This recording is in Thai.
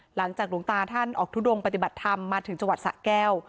หลังจากหลวงตาท่านออกทุดงปฏิบัติธรรมมาถึงจังหวัดสะแก้ว